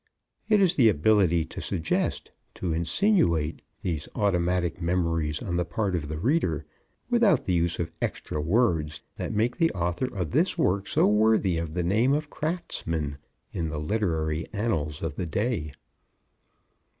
It is the ability to suggest, to insinuate, these automatic memories on the part of the reader without the use of extra words that makes the author of this work so worthy of the name of craftsman in the literary annals of the day.